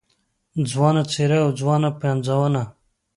ځوانه څېره او ځوانه پنځونه